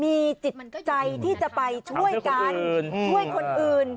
มีจิตใจที่จะไปช่วยกันช่วยคนอื่น